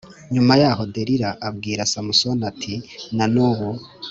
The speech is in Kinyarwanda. Nyuma yaho Delila abwira Samusoni ati na n ubu